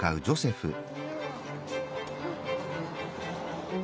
ジョセフ！